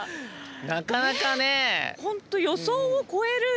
なかなかね。